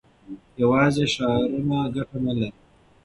یوازې شعارونه ګټه نه لري.